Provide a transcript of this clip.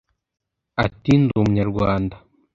Ati “Ndi Umunyarwanda